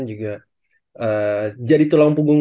juga jadi tulang punggung